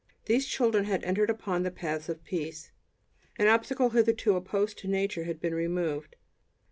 These children had entered upon the paths of peace. An obstacle hitherto opposed to nature had been removed.